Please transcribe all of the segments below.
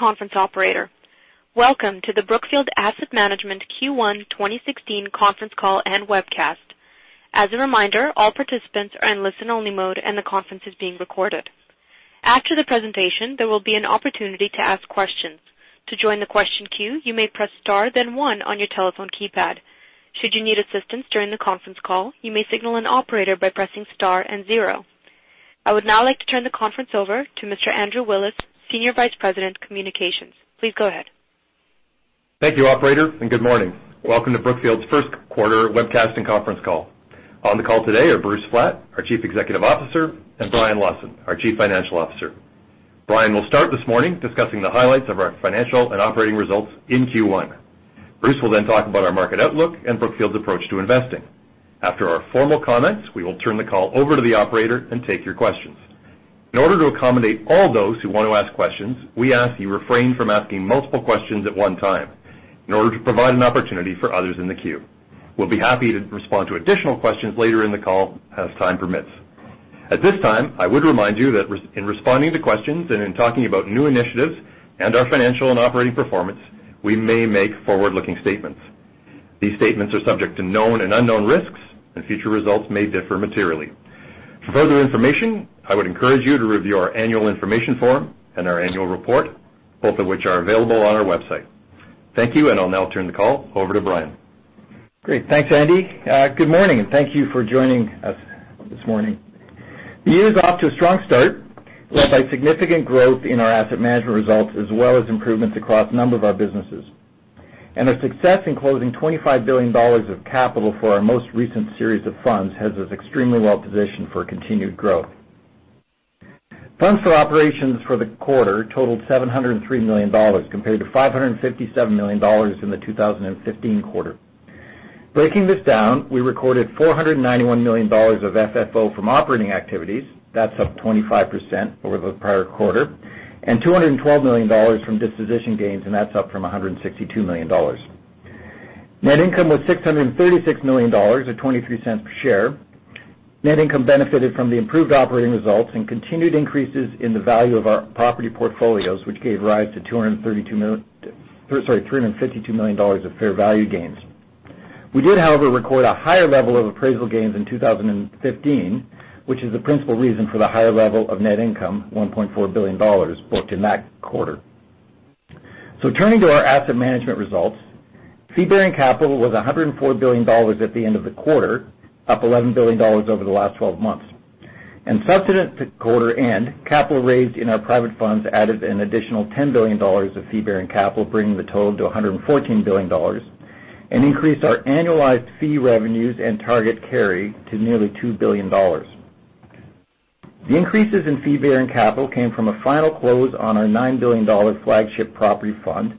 Conference operator. Welcome to the Brookfield Asset Management Q1 2016 conference call and webcast. As a reminder, all participants are in listen-only mode, and the conference is being recorded. After the presentation, there will be an opportunity to ask questions. To join the question queue, you may press star then one on your telephone keypad. Should you need assistance during the conference call, you may signal an operator by pressing star and zero. I would now like to turn the conference over to Mr. Andrew Willis, Senior Vice President, Communications. Please go ahead. Thank you, operator. Good morning. Welcome to Brookfield's first quarter webcast and conference call. On the call today are Bruce Flatt, our Chief Executive Officer, and Brian Lawson, our Chief Financial Officer. Brian will start this morning discussing the highlights of our financial and operating results in Q1. Bruce will talk about our market outlook and Brookfield's approach to investing. After our formal comments, we will turn the call over to the operator and take your questions. In order to accommodate all those who want to ask questions, we ask you refrain from asking multiple questions at one time in order to provide an opportunity for others in the queue. We'll be happy to respond to additional questions later in the call as time permits. At this time, I would remind you that in responding to questions and in talking about new initiatives and our financial and operating performance, we may make forward-looking statements. These statements are subject to known and unknown risks. Future results may differ materially. For further information, I would encourage you to review our annual information form and our annual report, both of which are available on our website. Thank you. I'll now turn the call over to Brian. Great. Thanks, Andy. Good morning. Thank you for joining us this morning. The year is off to a strong start, led by significant growth in our asset management results as well as improvements across a number of our businesses. Our success in closing $25 billion of capital for our most recent series of funds has us extremely well-positioned for continued growth. Funds for operations for the quarter totaled $703 million compared to $557 million in the 2015 quarter. Breaking this down, we recorded $491 million of FFO from operating activities. That's up 25% over the prior quarter. $212 million from disposition gains, and that's up from $162 million. Net income was $636 million, or $0.23 per share. Net income benefited from the improved operating results and continued increases in the value of our property portfolios, which gave rise to $352 million of fair value gains. We did, however, record a higher level of appraisal gains in 2015, which is the principal reason for the higher level of net income, $1.4 billion booked in that quarter. Turning to our asset management results, fee-bearing capital was $104 billion at the end of the quarter, up $11 billion over the last 12 months. Subsequent to quarter end, capital raised in our private funds added an additional $10 billion of fee-bearing capital, bringing the total to $114 billion, and increased our annualized fee revenues and target carry to nearly $2 billion. The increases in fee-bearing capital came from a final close on our $9 billion flagship property fund,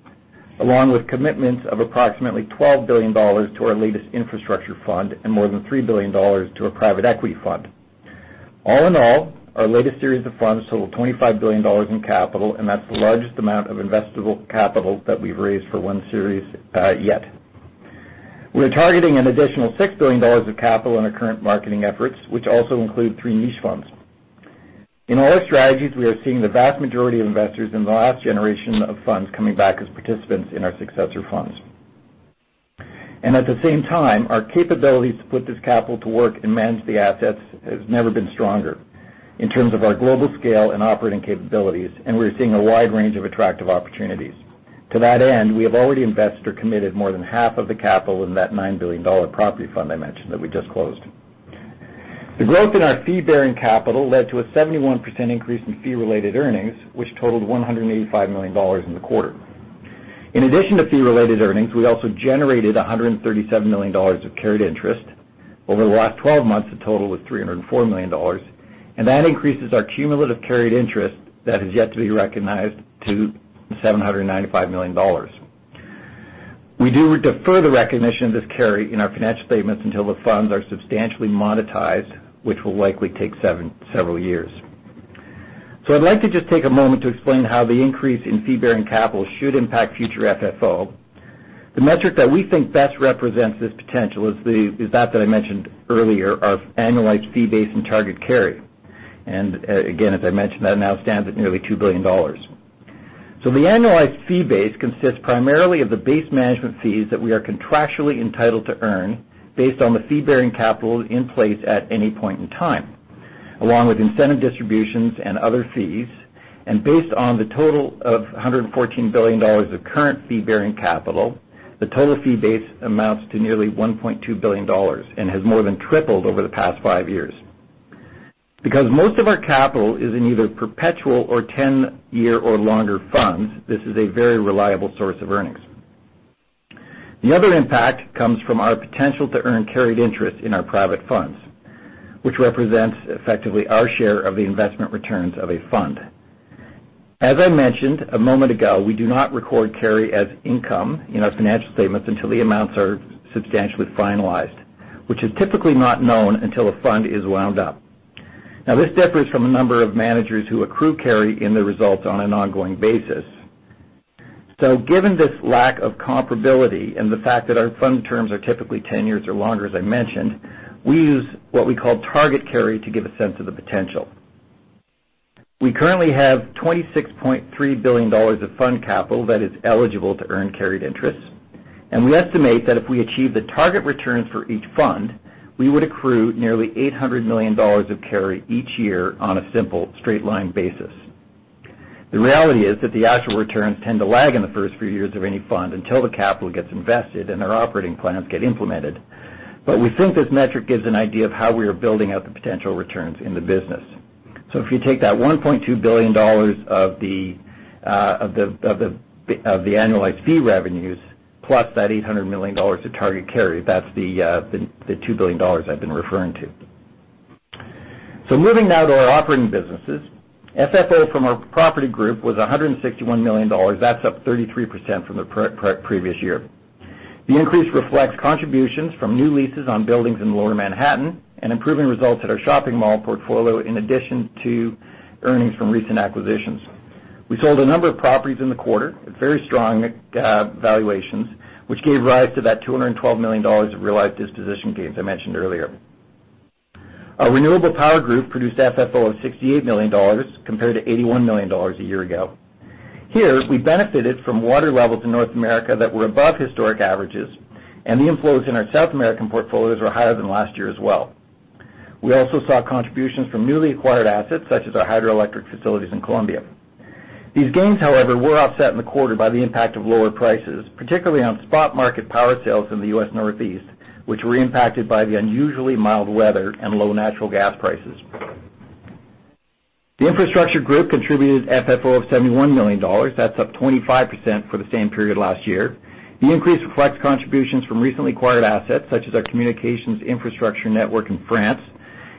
along with commitments of approximately $12 billion to our latest infrastructure fund and more than $3 billion to a private equity fund. All in all, our latest series of funds total $25 billion in capital, and that's the largest amount of investable capital that we've raised for one series yet. We're targeting an additional $6 billion of capital in our current marketing efforts, which also include three niche funds. In all our strategies, we are seeing the vast majority of investors in the last generation of funds coming back as participants in our successor funds. At the same time, our capabilities to put this capital to work and manage the assets has never been stronger in terms of our global scale and operating capabilities, and we're seeing a wide range of attractive opportunities. To that end, we have already invested or committed more than half of the capital in that $9 billion property fund I mentioned that we just closed. The growth in our fee-bearing capital led to a 71% increase in fee-related earnings, which totaled $185 million in the quarter. In addition to fee-related earnings, we also generated $137 million of carried interest. Over the last 12 months, the total was $304 million, and that increases our cumulative carried interest that is yet to be recognized to $795 million. We do defer the recognition of this carry in our financial statements until the funds are substantially monetized, which will likely take several years. I'd like to just take a moment to explain how the increase in fee-bearing capital should impact future FFO. The metric that we think best represents this potential is that I mentioned earlier, our annualized fee base and target carry. Again as I mentioned, that now stands at nearly $2 billion. The annualized fee base consists primarily of the base management fees that we are contractually entitled to earn based on the fee-bearing capital in place at any point in time, along with incentive distributions and other fees. Based on the total of $114 billion of current fee-bearing capital, the total fee base amounts to nearly $1.2 billion and has more than tripled over the past five years. Because most of our capital is in either perpetual or 10-year or longer funds, this is a very reliable source of earnings. The other impact comes from our potential to earn carried interest in our private funds, which represents effectively our share of the investment returns of a fund. As I mentioned a moment ago, we do not record carry as income in our financial statements until the amounts are substantially finalized, which is typically not known until a fund is wound up. This differs from a number of managers who accrue carry in their results on an ongoing basis. Given this lack of comparability and the fact that our fund terms are typically 10 years or longer, as I mentioned, we use what we call target carry to give a sense of the potential. We currently have $26.3 billion of fund capital that is eligible to earn carried interest, and we estimate that if we achieve the target returns for each fund, we would accrue nearly $800 million of carry each year on a simple straight line basis. The reality is that the actual returns tend to lag in the first few years of any fund until the capital gets invested and our operating plans get implemented. We think this metric gives an idea of how we are building out the potential returns in the business. If you take that $1.2 billion of the annualized fee revenues plus that $800 million of target carry, that's the $2 billion I've been referring to. Moving now to our operating businesses. FFO from our property group was $161 million. That's up 33% from the previous year. The increase reflects contributions from new leases on buildings in lower Manhattan and improving results at our shopping mall portfolio, in addition to earnings from recent acquisitions. We sold a number of properties in the quarter at very strong valuations, which gave rise to that $212 million of realized disposition gains I mentioned earlier. Our renewable power group produced FFO of $68 million, compared to $81 million a year ago. Here, we benefited from water levels in North America that were above historic averages, and the inflows in our South American portfolios were higher than last year as well. We also saw contributions from newly acquired assets, such as our hydroelectric facilities in Colombia. These gains, however, were offset in the quarter by the impact of lower prices, particularly on spot market power sales in the U.S. Northeast, which were impacted by the unusually mild weather and low natural gas prices. The infrastructure group contributed FFO of $71 million. That's up 25% for the same period last year. The increase reflects contributions from recently acquired assets such as our communications infrastructure network in France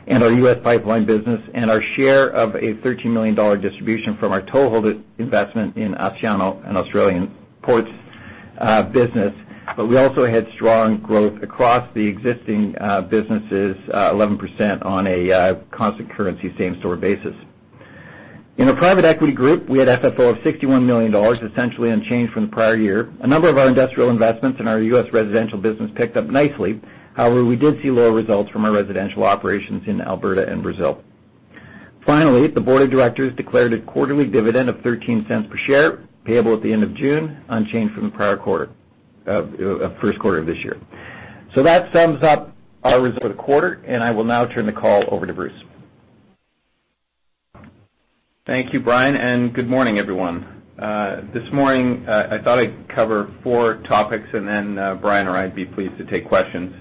and our U.S. pipeline business, and our share of a $13 million distribution from our toll road investment in Patrick Terminals business. We also had strong growth across the existing businesses, 11% on a constant currency same-store basis. In our private equity group, we had FFO of $61 million, essentially unchanged from the prior year. A number of our industrial investments in our U.S. residential business picked up nicely. However, we did see lower results from our residential operations in Alberta and Brazil. Finally, the board of directors declared a quarterly dividend of $0.13 per share, payable at the end of June, unchanged from the first quarter of this year. That sums up our results for the quarter, and I will now turn the call over to Bruce. Thank you, Brian, and good morning, everyone. This morning, I thought I'd cover four topics, then Brian or I'd be pleased to take questions.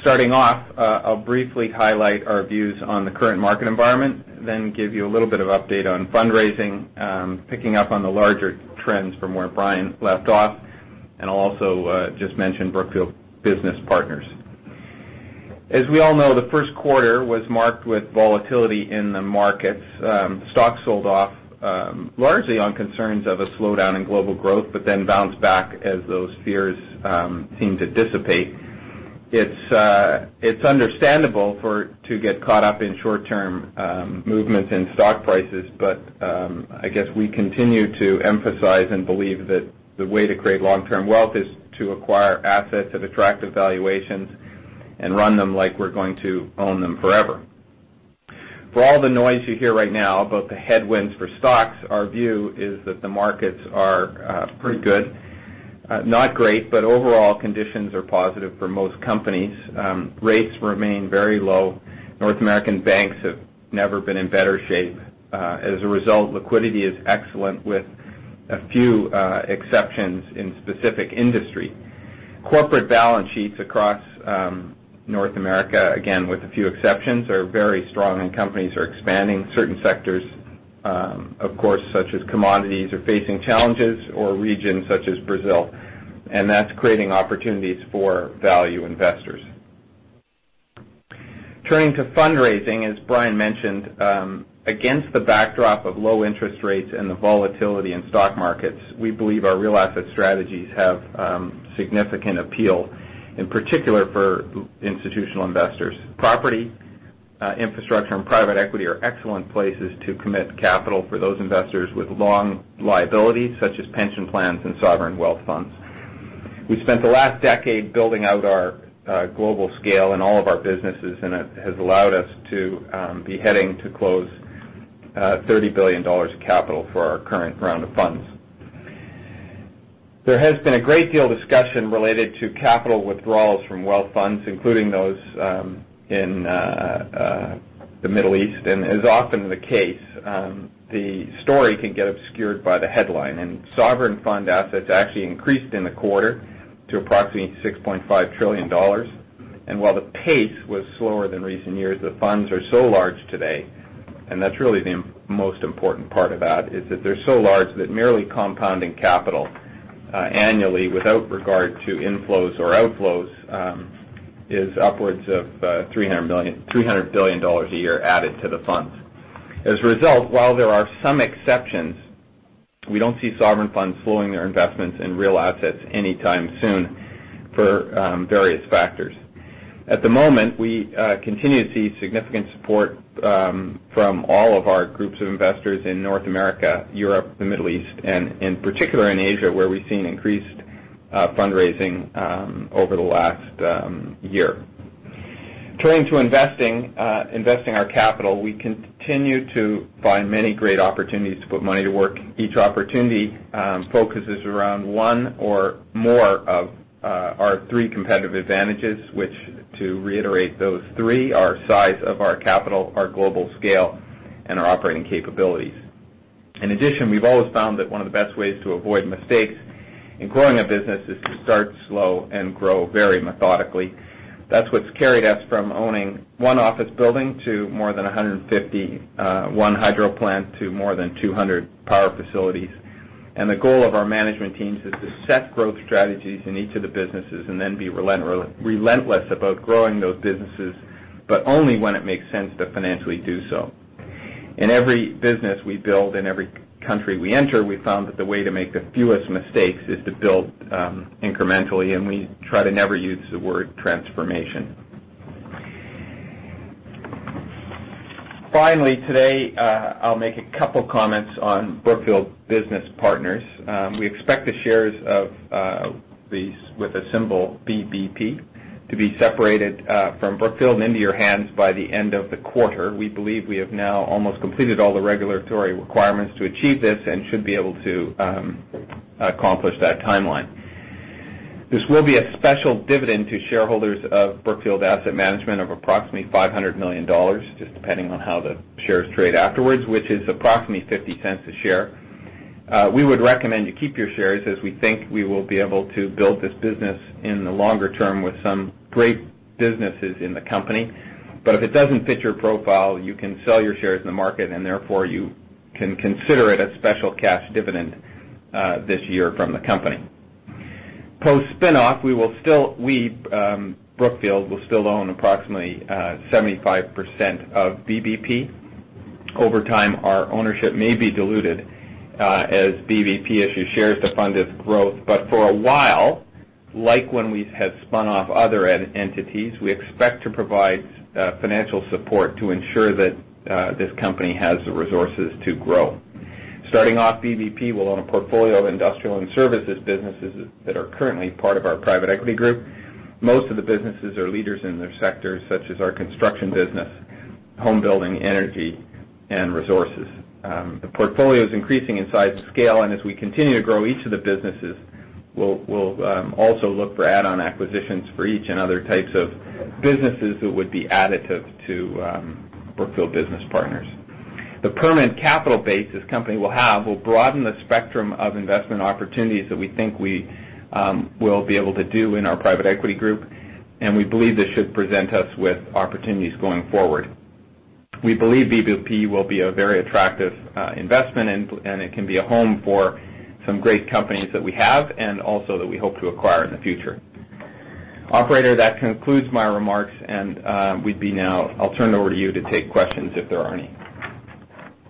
Starting off, I'll briefly highlight our views on the current market environment, then give you a little bit of update on fundraising, picking up on the larger trends from where Brian left off. I'll also just mention Brookfield Business Partners. As we all know, the first quarter was marked with volatility in the markets. Stocks sold off largely on concerns of a slowdown in global growth, but then bounced back as those fears seemed to dissipate. I guess we continue to emphasize and believe that the way to create long-term wealth is to acquire assets at attractive valuations and run them like we're going to own them forever. For all the noise you hear right now about the headwinds for stocks, our view is that the markets are pretty good. Not great, but overall conditions are positive for most companies. Rates remain very low. North American banks have never been in better shape. As a result, liquidity is excellent, with a few exceptions in specific industry. Corporate balance sheets across North America, again, with a few exceptions, are very strong. Companies are expanding certain sectors, of course, such as commodities are facing challenges, or regions such as Brazil, and that's creating opportunities for value investors. Turning to fundraising, as Brian mentioned, against the backdrop of low interest rates and the volatility in stock markets, we believe our real asset strategies have significant appeal, in particular for institutional investors. Property, infrastructure, and private equity are excellent places to commit capital for those investors with long liabilities, such as pension plans and sovereign wealth funds. We spent the last decade building out our global scale in all of our businesses. It has allowed us to be heading to close $30 billion of capital for our current round of funds. There has been a great deal of discussion related to capital withdrawals from wealth funds, including those in the Middle East. As often the case, the story can get obscured by the headline. Sovereign fund assets actually increased in the quarter to approximately $6.5 trillion. While the pace was slower than recent years, the funds are so large today, and that's really the most important part of that, is that they're so large that merely compounding capital annually without regard to inflows or outflows, is upwards of $300 billion a year added to the funds. As a result, while there are some exceptions, we don't see sovereign funds slowing their investments in real assets anytime soon for various factors. At the moment, we continue to see significant support from all of our groups of investors in North America, Europe, the Middle East, and particularly in Asia, where we've seen increased fundraising over the last year. Turning to investing our capital, we continue to find many great opportunities to put money to work. Each opportunity focuses around one or more of our three competitive advantages. To reiterate, those three are size of our capital, our global scale, and our operating capabilities. In addition, we've always found that one of the best ways to avoid mistakes in growing a business is to start slow and grow very methodically. That's what's carried us from owning one office building to more than 150 hydro plants to more than 200 power facilities. The goal of our management teams is to set growth strategies in each of the businesses and then be relentless about growing those businesses, but only when it makes sense to financially do so. In every business we build, in every country we enter, we've found that the way to make the fewest mistakes is to build incrementally, and we try to never use the word transformation. Finally, today, I'll make a couple comments on Brookfield Business Partners. We expect the shares with the symbol BBP to be separated from Brookfield and into your hands by the end of the quarter. We believe we have now almost completed all the regulatory requirements to achieve this and should be able to accomplish that timeline. This will be a special dividend to shareholders of Brookfield Asset Management of approximately $500 million, just depending on how the shares trade afterwards, which is approximately $0.50 a share. We would recommend you keep your shares, as we think we will be able to build this business in the longer term with some great businesses in the company. If it doesn't fit your profile, you can sell your shares in the market, and therefore, you can consider it a special cash dividend this year from the company. Post-spin-off, Brookfield will still own approximately 75% of BBP. Over time, our ownership may be diluted as BBP issues shares to fund its growth. For a while, like when we have spun off other entities, we expect to provide financial support to ensure that this company has the resources to grow. Starting off, BBP will own a portfolio of industrial and services businesses that are currently part of our private equity group. Most of the businesses are leaders in their sectors, such as our construction business, home building, energy, and resources. The portfolio is increasing in size and scale, and as we continue to grow each of the businesses, we'll also look for add-on acquisitions for each and other types of businesses that would be additive to Brookfield Business Partners. The permanent capital base this company will have will broaden the spectrum of investment opportunities that we think we will be able to do in our private equity group, and we believe this should present us with opportunities going forward. We believe BBP will be a very attractive investment, and it can be a home for some great companies that we have and also that we hope to acquire in the future. Operator, that concludes my remarks. I'll turn it over to you to take questions if there are any.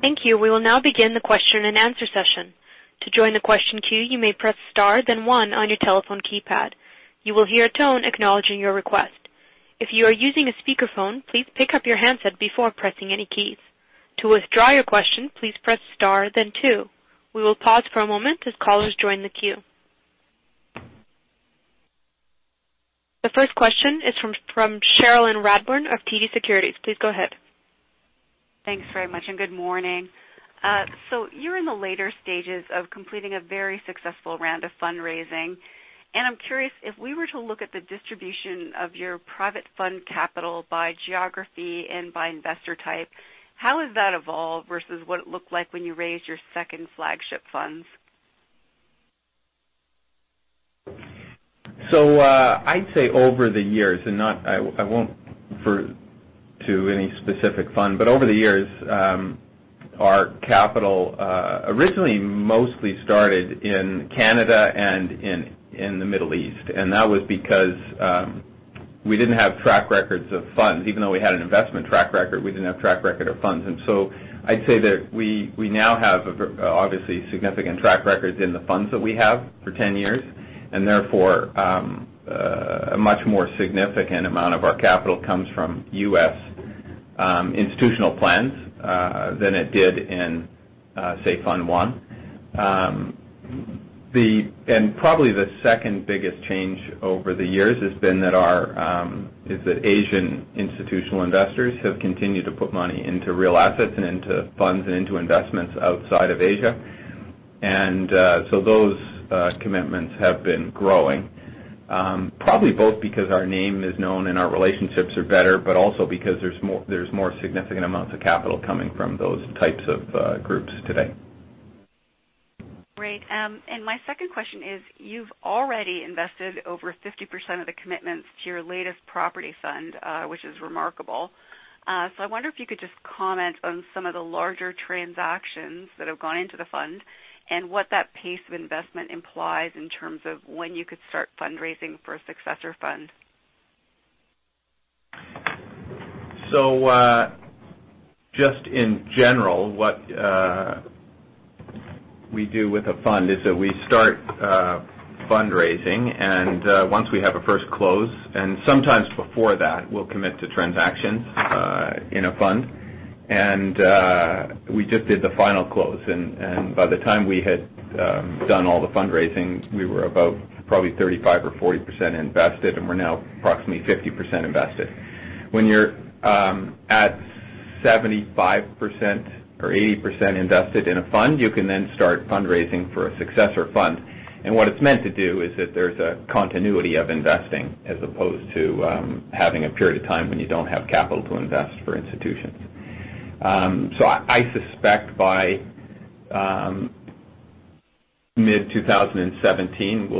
Thank you. We will now begin the question-and-answer session. To join the question queue, you may press star then one on your telephone keypad. You will hear a tone acknowledging your request. If you are using a speakerphone, please pick up your handset before pressing any keys. To withdraw your question, please press star then two. We will pause for a moment as callers join the queue. The first question is from Cherilyn Radbourne of TD Securities. Please go ahead. Thanks very much, and good morning. You're in the later stages of completing a very successful round of fundraising. I'm curious, if we were to look at the distribution of your private fund capital by geography and by investor type, how has that evolved versus what it looked like when you raised your second flagship funds? I'd say over the years, I won't refer to any specific fund. Over the years, our capital originally mostly started in Canada and in the Middle East. That was because we didn't have track records of funds. Even though we had an investment track record, we didn't have track record of funds. I'd say that we now have obviously significant track records in the funds that we have for 10 years. Therefore, a much more significant amount of our capital comes from U.S. institutional plans than it did in, say, Fund One. Probably the second biggest change over the years has been that Asian institutional investors have continued to put money into real assets and into funds and into investments outside of Asia. Those commitments have been growing. Probably both because our name is known and our relationships are better, but also because there's more significant amounts of capital coming from those types of groups today. Great. My second question is, you've already invested over 50% of the commitments to your latest property fund, which is remarkable. I wonder if you could just comment on some of the larger transactions that have gone into the fund and what that pace of investment implies in terms of when you could start fundraising for a successor fund. Just in general, what we do with a fund is that we start fundraising, and once we have a first close, and sometimes before that, we'll commit to transactions in a fund. We just did the final close, and by the time we had done all the fundraising, we were about probably 35% or 40% invested, and we're now approximately 50% invested. When you're at 75% or 80% invested in a fund, you can then start fundraising for a successor fund. What it's meant to do is that there's a continuity of investing as opposed to having a period of time when you don't have capital to invest for institutions. I suspect by mid-2017,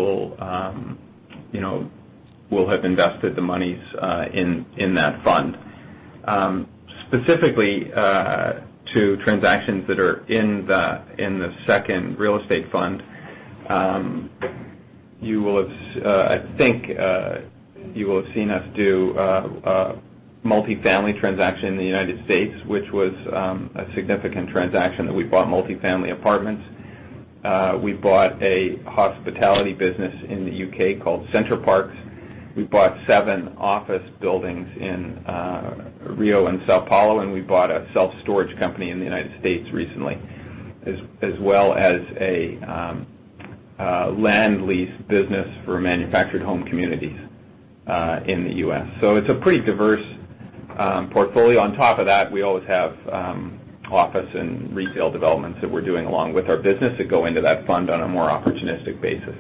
we'll have invested the monies in that fund. Specifically, to transactions that are in the second real estate fund, I think you will have seen us do a multifamily transaction in the United States, which was a significant transaction that we bought multifamily apartments. We bought a hospitality business in the U.K. called Center Parcs. We bought seven office buildings in Rio and São Paulo, and we bought a self-storage company in the United States recently, as well as a land lease business for manufactured home communities in the U.S. It's a pretty diverse portfolio. On top of that, we always have office and retail developments that we're doing along with our business that go into that fund on a more opportunistic basis.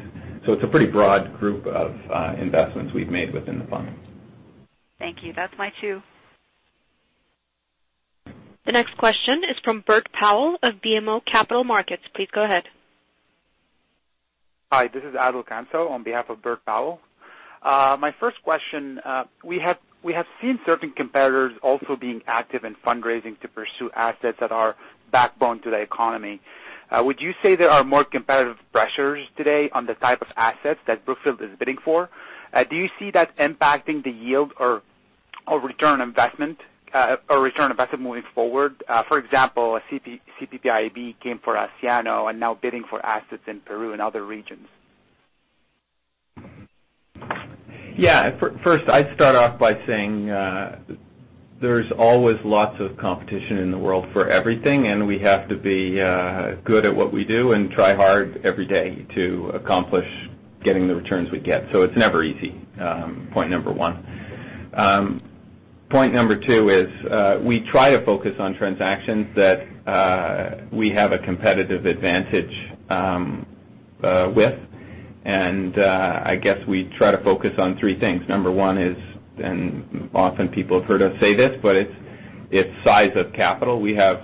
It's a pretty broad group of investments we've made within the fund. Thank you. That's my two. The next question is from Bert Powell of BMO Capital Markets. Please go ahead. Hi, this is Adel Kanso on behalf of Bert Powell. My first question. We have seen certain competitors also being active in fundraising to pursue assets that are backbone to the economy. Would you say there are more competitive pressures today on the type of assets that Brookfield is bidding for? Do you see that impacting the yield or return on investment moving forward? For example, CPPIB came for Asciano and now bidding for assets in Peru and other regions. Yeah. First, I'd start off by saying there's always lots of competition in the world for everything, and we have to be good at what we do and try hard every day to accomplish getting the returns we get. It's never easy, point 1. Point 2 is we try to focus on transactions that we have a competitive advantage with, and I guess we try to focus on three things. Number 1 is, often people have heard us say this, it's size of capital. We have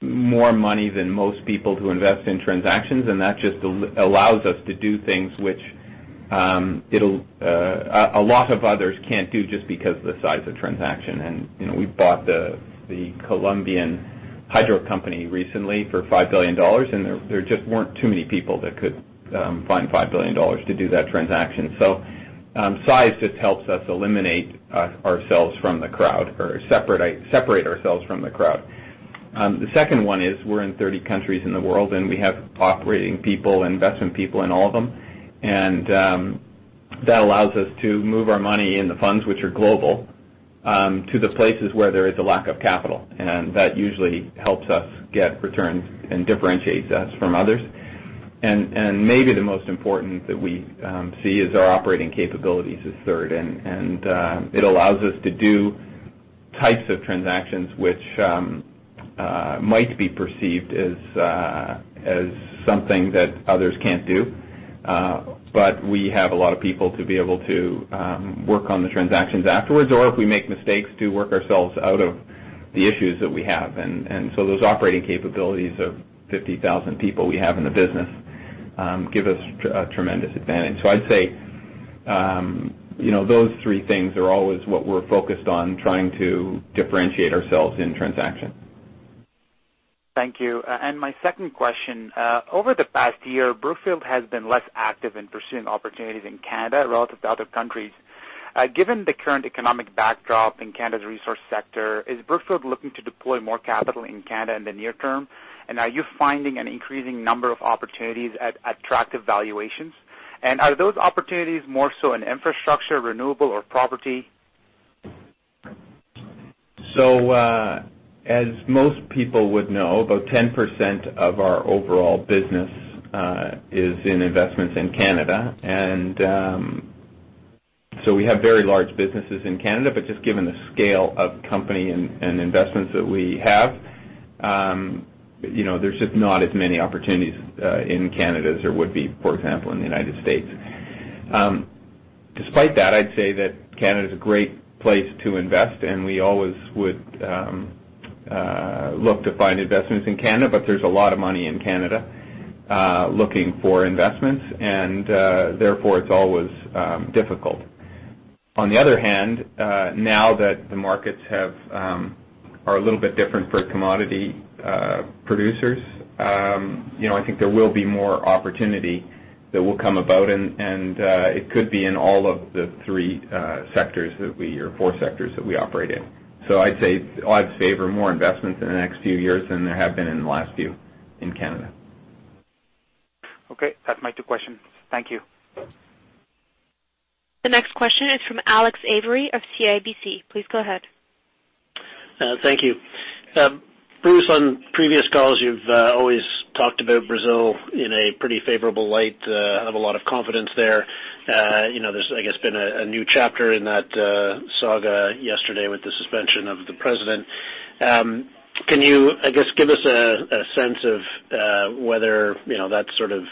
more money than most people who invest in transactions, and that just allows us to do things which a lot of others can't do just because of the size of transaction. We bought the Colombian hydro company recently for $5 billion, and there just weren't too many people that could find $5 billion to do that transaction. Size just helps us eliminate ourselves from the crowd or separate ourselves from the crowd. The second 1 is we're in 30 countries in the world, and we have operating people, investment people in all of them. That allows us to move our money in the funds which are global, to the places where there is a lack of capital. That usually helps us get returns and differentiates us from others. Maybe the most important that we see is our operating capabilities is third. It allows us to do types of transactions which might be perceived as something that others can't do. We have a lot of people to be able to work on the transactions afterwards, or if we make mistakes, to work ourselves out of the issues that we have. Those operating capabilities of 50,000 people we have in the business give us a tremendous advantage. I'd say, those three things are always what we're focused on trying to differentiate ourselves in transactions. Thank you. My second question. Over the past year, Brookfield has been less active in pursuing opportunities in Canada relative to other countries. Given the current economic backdrop in Canada's resource sector, is Brookfield looking to deploy more capital in Canada in the near term? Are you finding an increasing number of opportunities at attractive valuations? Are those opportunities more so in infrastructure, renewable, or property? As most people would know, about 10% of our overall business is in investments in Canada. We have very large businesses in Canada, but just given the scale of company and investments that we have, there's just not as many opportunities in Canada as there would be, for example, in the United States. Despite that, I'd say that Canada is a great place to invest, and we always would look to find investments in Canada, but there's a lot of money in Canada looking for investments, and therefore it's always difficult. On the other hand, now that the markets have a little bit different for commodity producers. I think there will be more opportunity that will come about, and it could be in all of the three sectors that we, or four sectors that we operate in. I'd say odds favor more investments in the next few years than there have been in the last few in Canada. Okay. That's my two questions. Thank you. The next question is from Alex Avery of CIBC. Please go ahead. Thank you. Bruce, on previous calls, you've always talked about Brazil in a pretty favorable light, have a lot of confidence there. There's, I guess, been a new chapter in that saga yesterday with the suspension of the president. Can you, I guess, give us a sense of whether that's sort of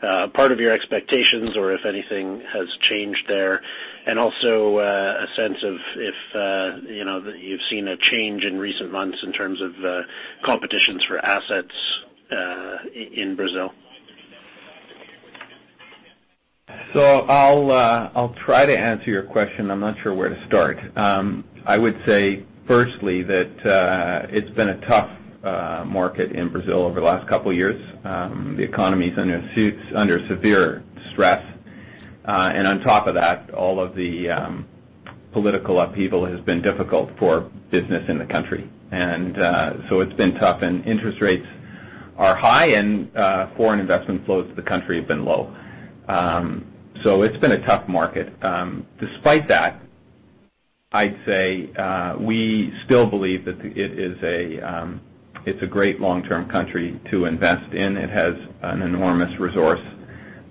part of your expectations or if anything has changed there? Also, a sense of if you've seen a change in recent months in terms of competitions for assets in Brazil. I'll try to answer your question. I'm not sure where to start. I would say firstly, that it's been a tough market in Brazil over the last couple of years. The economy's under severe stress. On top of that, all of the political upheaval has been difficult for business in the country. It's been tough. Interest rates are high, and foreign investment flows to the country have been low. It's been a tough market. Despite that, I'd say we still believe that it's a great long-term country to invest in. It has an enormous resource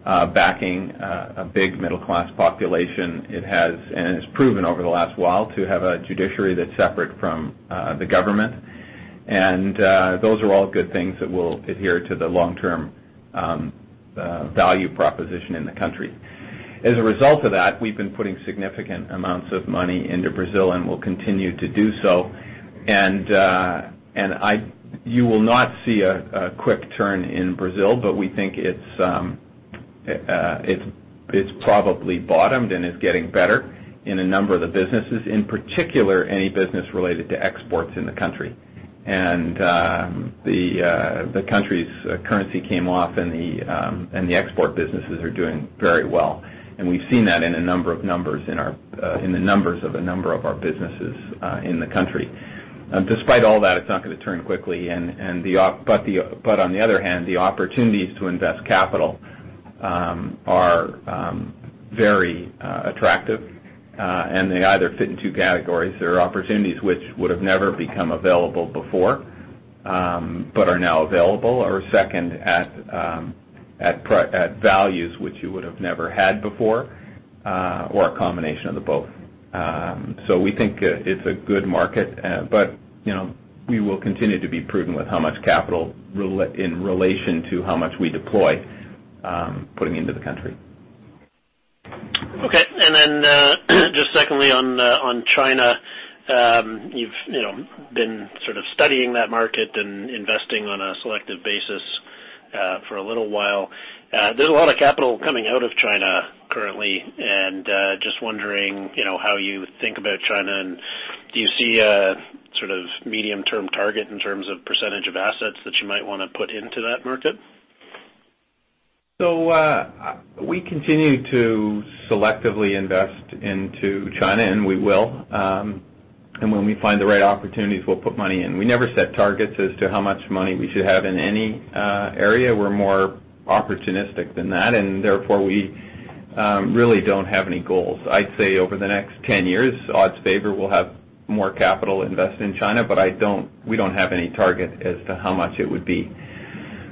backing a big middle-class population. It has, and it's proven over the last while, to have a judiciary that's separate from the government. Those are all good things that will adhere to the long-term value proposition in the country. As a result of that, we've been putting significant amounts of money into Brazil and will continue to do so. You will not see a quick turn in Brazil, but we think it's probably bottomed and is getting better in a number of the businesses, in particular, any business related to exports in the country. The country's currency came off, and the export businesses are doing very well. We've seen that in the numbers of a number of our businesses in the country. Despite all that, it's not going to turn quickly. On the other hand, the opportunities to invest capital are very attractive. They either fit in 2 categories. There are opportunities which would have never become available before but are now available. Second, at values which you would have never had before or a combination of the both. We think it's a good market. We will continue to be prudent with how much capital in relation to how much we deploy putting into the country. Okay. Then just secondly on China. You've been sort of studying that market and investing on a selective basis for a little while. There's a lot of capital coming out of China currently, and just wondering how you think about China, and do you see a sort of medium-term target in terms of percentage of assets that you might want to put into that market? We continue to selectively invest into China, and we will. When we find the right opportunities, we'll put money in. We never set targets as to how much money we should have in any area. We're more opportunistic than that, and therefore we really don't have any goals. I'd say over the next 10 years, odds favor we'll have more capital invested in China, but we don't have any target as to how much it would be.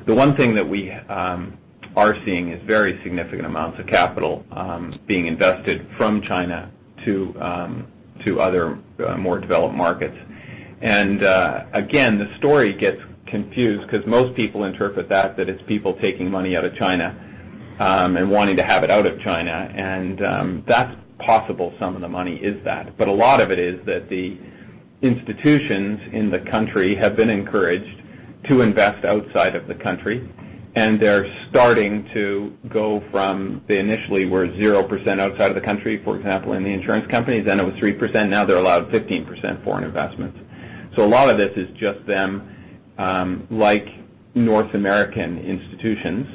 The one thing that we are seeing is very significant amounts of capital being invested from China to other more developed markets. Again, the story gets confused because most people interpret that it's people taking money out of China and wanting to have it out of China. That's possible some of the money is that. A lot of it is that the institutions in the country have been encouraged to invest outside of the country. They're starting to go from, they initially were 0% outside of the country. For example, in the insurance companies, then it was 3%. Now they're allowed 15% foreign investments. A lot of this is just them, like North American institutions,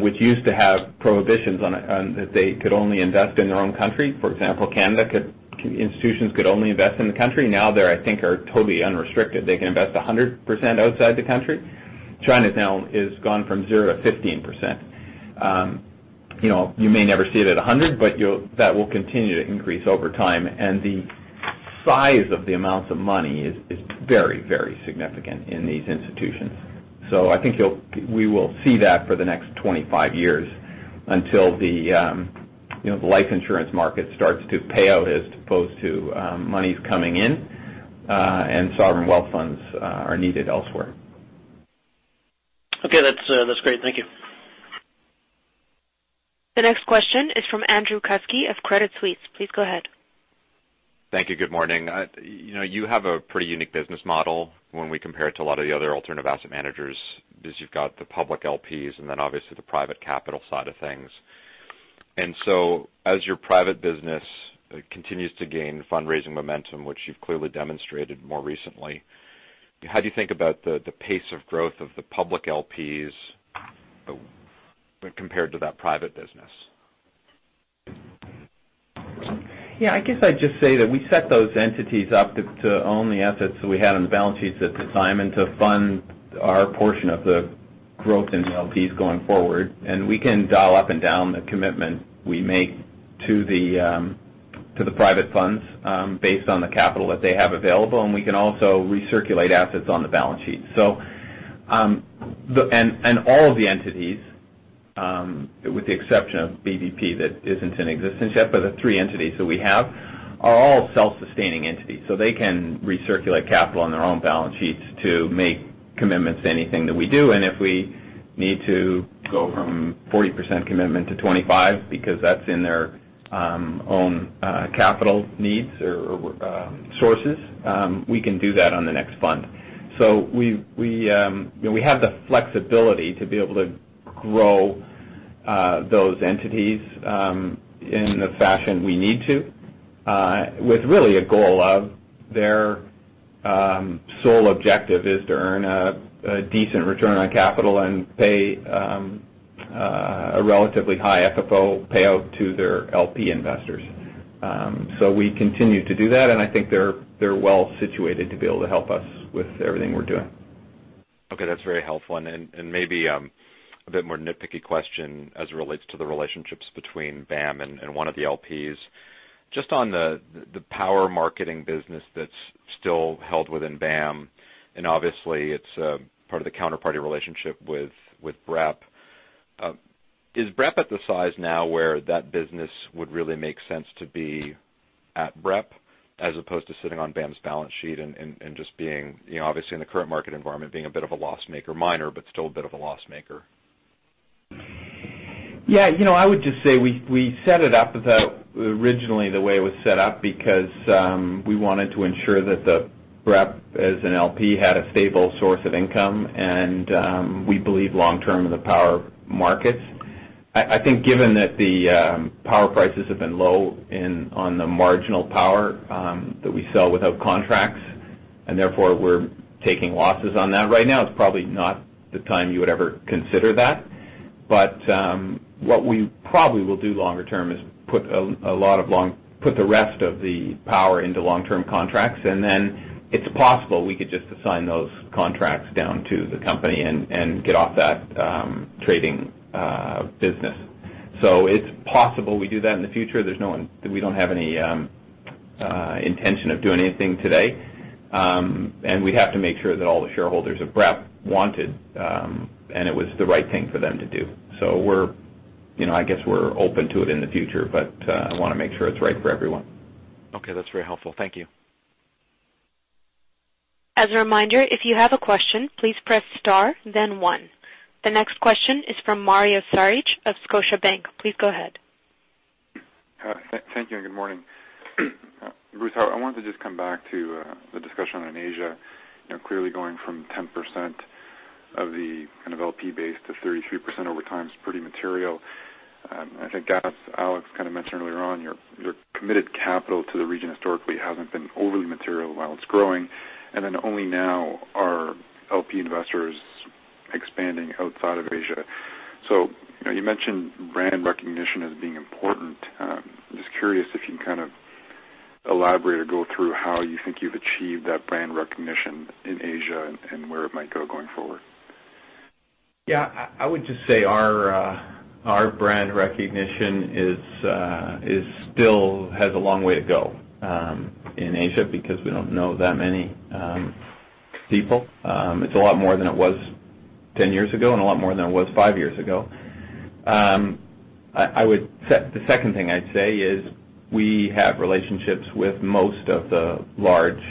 which used to have prohibitions on that they could only invest in their own country. For example, Canada institutions could only invest in the country. Now they're, I think, totally unrestricted. They can invest 100% outside the country. China now has gone from 0% to 15%. You may never see it at 100, but that will continue to increase over time. The size of the amounts of money is very significant in these institutions. I think we will see that for the next 25 years until the life insurance market starts to pay out as opposed to monies coming in, and sovereign wealth funds are needed elsewhere. Okay. That's great. Thank you. The next question is from Andrew Kuske of Credit Suisse. Please go ahead. Thank you. Good morning. You have a pretty unique business model when we compare it to a lot of the other alternative asset managers because you've got the public LPs and then obviously the private capital side of things. As your private business continues to gain fundraising momentum, which you've clearly demonstrated more recently, how do you think about the pace of growth of the public LPs compared to that private business? Yeah, I guess I'd just say that we set those entities up to own the assets that we had on the balance sheets at the time and to fund our portion of the growth in LPs going forward. We can dial up and down the commitment we make to the private funds based on the capital that they have available, and we can also recirculate assets on the balance sheet. All of the entities, with the exception of BBP, that isn't in existence yet, but the three entities that we have are all self-sustaining entities, so they can recirculate capital on their own balance sheets to make commitments to anything that we do. If we need to go from 40% commitment to 25 because that's in their own capital needs or sources, we can do that on the next fund. We have the flexibility to be able to grow those entities in the fashion we need to, with really a goal of their sole objective is to earn a decent return on capital and pay a relatively high FFO payout to their LP investors. We continue to do that, and I think they're well-situated to be able to help us with everything we're doing. Okay. That's very helpful. Maybe a bit more nitpicky question as it relates to the relationships between BAM and one of the LPs. Just on the power marketing business that's still held within BAM, and obviously it's part of the counterparty relationship with BREP. Is BREP at the size now where that business would really make sense to be at BREP as opposed to sitting on BAM's balance sheet and just being, obviously in the current market environment, being a bit of a loss maker, minor, but still a bit of a loss maker? Yeah. I would just say we set it up originally the way it was set up because we wanted to ensure that the BREP as an LP had a stable source of income, and we believe long term in the power markets. I think given that the power prices have been low on the marginal power that we sell without contracts, and therefore we're taking losses on that right now. It's probably not the time you would ever consider that. What we probably will do longer term is put the rest of the power into long-term contracts, and then it's possible we could just assign those contracts down to the company and get off that trading business. It's possible we do that in the future. We don't have any intention of doing anything today. We'd have to make sure that all the shareholders of BREP want it, and it was the right thing for them to do. I guess we're open to it in the future, but I want to make sure it's right for everyone. Okay. That's very helpful. Thank you. As a reminder, if you have a question, please press star then one. The next question is from Mario Saric of Scotiabank. Please go ahead. Thank you, and good morning. Bruce, I wanted to just come back to the discussion on Asia. Clearly going from 10% of the LP base to 33% over time is pretty material. I think Alex kind of mentioned earlier on, your committed capital to the region historically hasn't been overly material while it's growing, and then only now are LP investors expanding outside of Asia. You mentioned brand recognition as being important. I'm just curious if you can kind of elaborate or go through how you think you've achieved that brand recognition in Asia and where it might go going forward. Yeah. I would just say our brand recognition still has a long way to go in Asia because we don't know that many people. It's a lot more than it was 10 years ago and a lot more than it was five years ago. The second thing I'd say is we have relationships with most of the large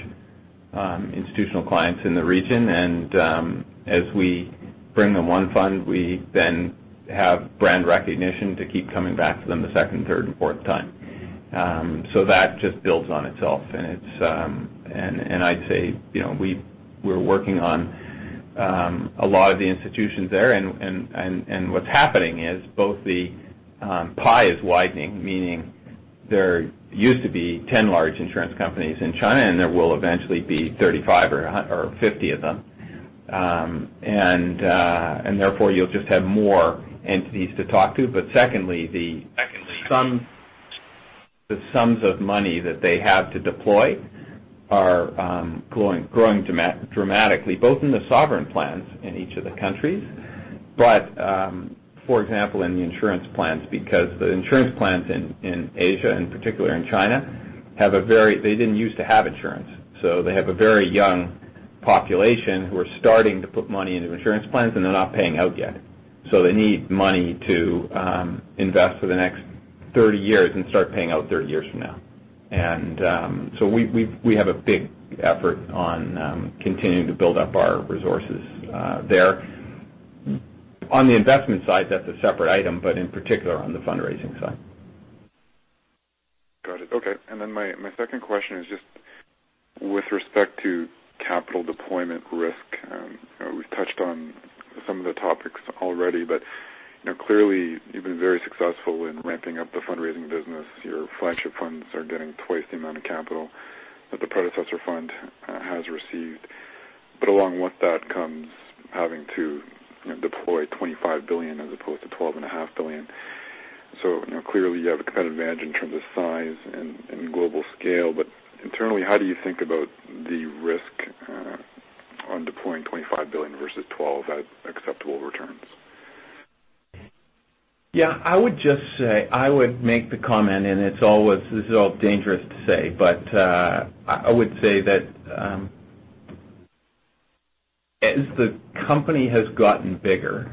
institutional clients in the region, and as we bring them one fund, we then have brand recognition to keep coming back to them a second, third, and fourth time. That just builds on itself. I'd say we're working on a lot of the institutions there. What's happening is both the pie is widening, meaning there used to be 10 large insurance companies in China, and there will eventually be 35 or 50 of them. Therefore, you'll just have more entities to talk to. Secondly, the sums of money that they have to deploy are growing dramatically, both in the sovereign plans in each of the countries. For example, in the insurance plans, because the insurance plans in Asia, and particularly in China, they didn't use to have insurance. They have a very young population who are starting to put money into insurance plans, and they're not paying out yet. They need money to invest for the next 30 years and start paying out 30 years from now. We have a big effort on continuing to build up our resources there. On the investment side, that's a separate item, but in particular on the fundraising side. Got it. Okay. My second question is just with respect to capital deployment risk. We've touched on some of the topics already, but clearly you've been very successful in ramping up the fundraising business. Your flagship funds are getting twice the amount of capital that the predecessor fund has received. Along with that comes having to deploy $25 billion as opposed to $12.5 billion. Clearly you have a competitive advantage in terms of size and global scale. Internally, how do you think about the risk on deploying $25 billion versus $12 at acceptable returns? I would just say I would make the comment, this is all dangerous to say, but I would say that as the company has gotten bigger,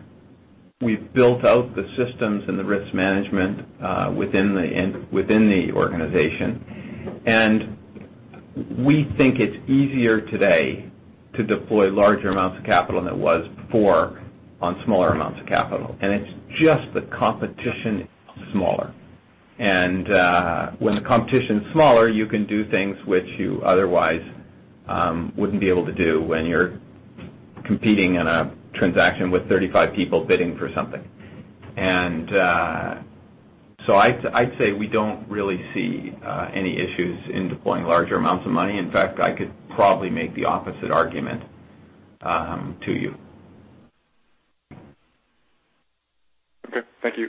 we've built out the systems and the risk management within the organization. We think it's easier today to deploy larger amounts of capital than it was before on smaller amounts of capital. It's just the competition is smaller. When the competition is smaller, you can do things which you otherwise wouldn't be able to do when you're competing in a transaction with 35 people bidding for something. I'd say we don't really see any issues in deploying larger amounts of money. In fact, I could probably make the opposite argument to you. Okay. Thank you.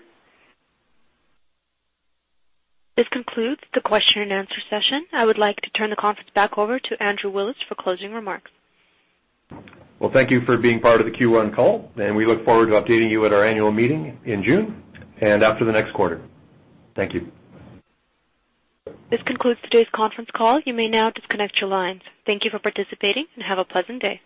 This concludes the question and answer session. I would like to turn the conference back over to Andrew Willis for closing remarks. Well, thank you for being part of the Q1 call, we look forward to updating you at our annual meeting in June and after the next quarter. Thank you. This concludes today's conference call. You may now disconnect your lines. Thank you for participating and have a pleasant day.